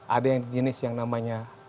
ada yang jenis yang namanya